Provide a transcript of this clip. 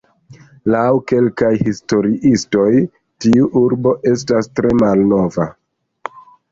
Laŭ kelkaj historiistoj tiu urbo estas tre malnova.